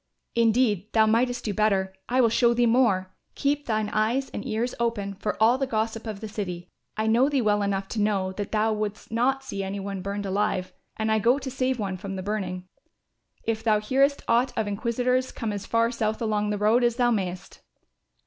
"Indeed thou mightest do better. I will show thee more. Keep thine eyes and ears open for all the gossip of the city. I know thee well enough to know that thou wouldst not see any one burned alive and I go to save one from the burning. If thou hearest aught of inquisitors come as far south along the road as thou mayest."